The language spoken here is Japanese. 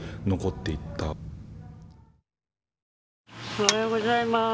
おはようございます。